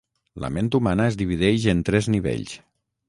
la ment humana es divideix en tres nivells